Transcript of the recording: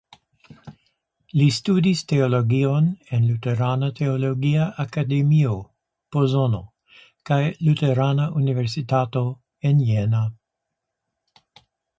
Li studis teologion en Luterana Teologia Akademio (Pozono) kaj luterana universitato en Jena.